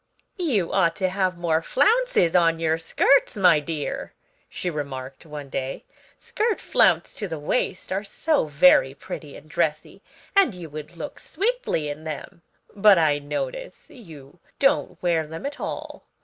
"You ought to have more flounces on your skirts, my dear," she remarked one day. "Skirt flounced to the waist are so very pretty and dressy, and you would look sweetly in them, but I notice you don't wear them at all.